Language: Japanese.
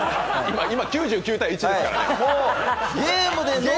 今、９９対１ですからね。